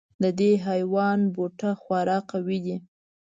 د دې حیوان بوټه خورا قوي دی.